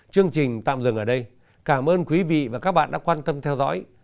chương trình tạm dừng ở đây cảm ơn quý vị và các bạn đã quan tâm theo dõi